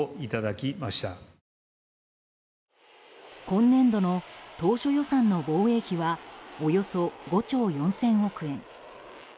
今年度の当初予算の防衛費はおよそ５兆４０００億円。